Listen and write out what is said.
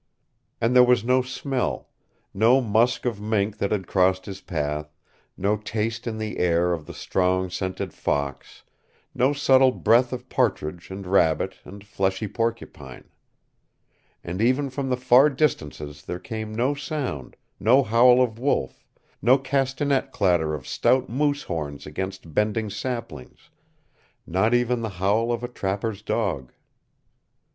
And there was no smell no musk of mink that had crossed his path, no taste in the air of the strong scented fox, no subtle breath of partridge and rabbit and fleshy porcupine. And even from the far distances there came no sound, no howl of wolf, no castanet clatter of stout moose horns against bending saplings not even the howl of a trapper's dog.